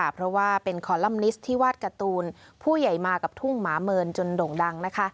เพราะว่าเป็นคอลัมนิสที่วาดการ์ตูนผู้ใหญ่มากับทุ่งหมาเมินจนโด่งดังนะคะ